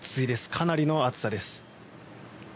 かなりの暑さです。